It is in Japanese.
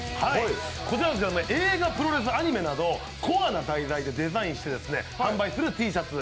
こちら映画、プロレス、アニメなどコアな題材でデザインして販売するＴシャツ。